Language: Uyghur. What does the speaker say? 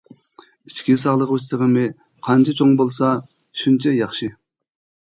ئىچكى ساقلىغۇچ سىغىمى قانچە چوڭ بولسا، شۇنچە ياخشى.